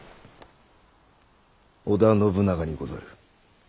織田信長にござる。